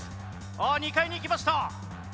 ああ２階に行きました！